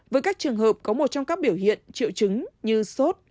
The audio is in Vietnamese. với các trường hợp có một trong các biểu hiện triệu chứng như sốt